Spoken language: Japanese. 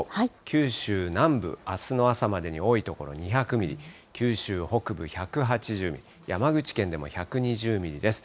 九州南部、あすの朝までに多い所２００ミリ、九州北部１８０ミリ、山口県でも１２０ミリです。